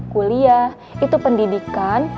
kuliah itu pendidikan